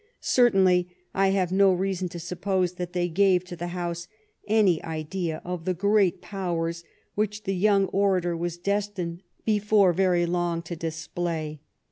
Certainly I have no reason to suppose that they gave to the House any idea of the great powers which the young orator was destined before very long to display.